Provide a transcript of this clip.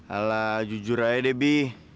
alah jujur aja deh bi